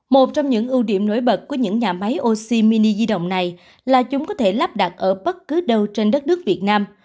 một trong những ưu điểm nổi bật của những nhà máy oxy mini di động này là chúng có thể lắp đặt ở bất cứ đâu trên đất nước việt nam